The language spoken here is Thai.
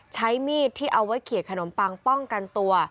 ใช้มีดที่เอาไว้เขียดขนมปังป้องกันตัว